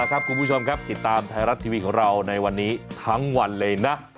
คุณผู้ชมครับติดตามไทยรัฐทีวีของเราในวันนี้ทั้งวันเลยนะ